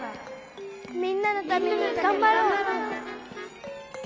みんなのためにがんばろう。